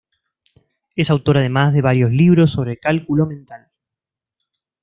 Es autor además de varios libros sobre cálculo mental.